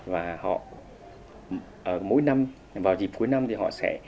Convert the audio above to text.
và họ mỗi năm vào dịp cuối năm thì họ sẽ